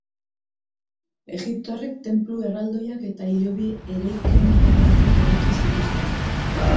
Egiptoarrek tenplu erraldoiak eta hilobi eraikin ikaragarriak eraiki zituzten